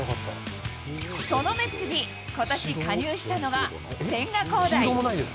そのメッツに、ことし、加入したのが千賀滉大。